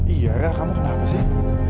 iya kamu kenapa sih